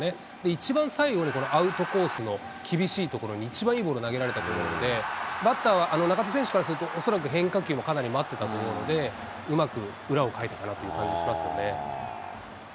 一番最後でこのアウトコースの厳しい所に一番いいボールを投げられたと思うので、バッターは中田選手からすると恐らく変化球もかなり待ってたところでうまく裏をかいたかなという感じがしますよね。